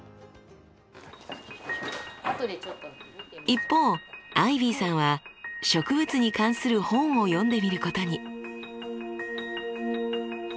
一方アイビーさんは植物に関する本を読んでみることに。